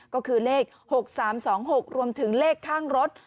ก็คือเลข๖๓๒๖รวมถึงเลขข้างรถ